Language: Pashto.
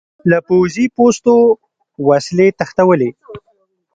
له پوځي پوستو وسلې تښتولې.